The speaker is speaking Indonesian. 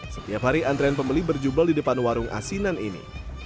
setiap hari antrean pembeli berjubel di depan warung asinan ini